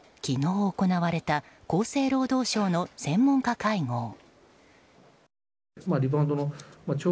昨日行われた厚生労働省の専門家会合。